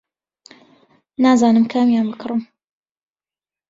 نازانم کامیان بکڕم.